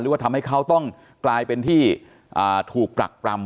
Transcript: ว่าทำให้เขาต้องกลายเป็นที่ถูกปรักปรำ